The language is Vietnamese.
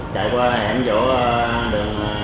trải qua hẻm vỗ đường